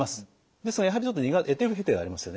ですがやはりちょっと得手不得手がありますよね。